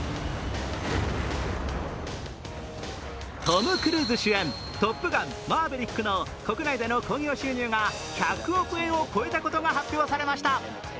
トム・クルーズ主演、「トップガンマーヴェリック」の国内での興行収入が１００億円を超えたことが発表されました。